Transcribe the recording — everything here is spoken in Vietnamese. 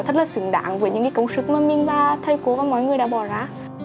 thật là xứng đáng với những công sức mà mình và thầy cố và mọi người đã bỏ ra